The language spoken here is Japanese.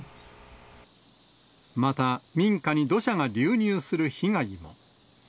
また、民家に土砂が流入する被害も。